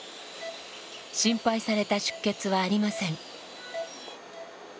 心配された出血はありません。